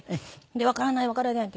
「わからないわからない」って。